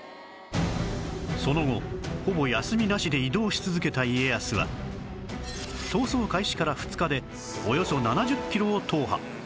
その後ほぼ休みなしで移動し続けた家康は逃走開始から２日でおよそ７０キロを踏破